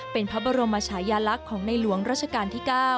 เป็นพระบรมชายาลักษณ์ของในหลวงราชการที่๙